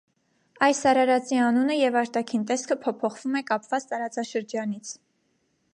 Այս արարածի անունը և արտաքին տեսքը փոփոխվում է կապված տարածաշրջանից։